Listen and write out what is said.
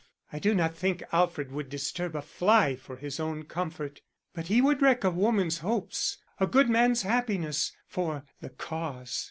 I do not think Alfred would disturb a fly for his own comfort, but he would wreck a woman's hopes, a good man's happiness for the Cause.